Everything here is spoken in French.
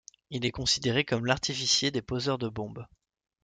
Il est considéré comme l'artificier des poseurs de bombes.